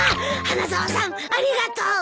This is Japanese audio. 花沢さんありがとう！